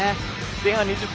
前半２０分